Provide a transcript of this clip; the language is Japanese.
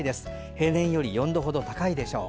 平年より４度くらい高いでしょう。